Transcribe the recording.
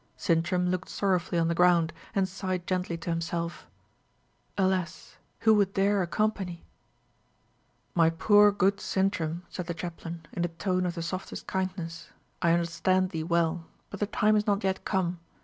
Sintram looked sorrowfully on the ground, and sighed gently to himself: "Alas! who would dare accompany?" "My poor, good Sintram," said the chaplain, in a tone of the softest kindness, "I understand thee well; but the time is not yet come.